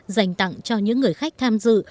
dành tặng cho những người khách tham dự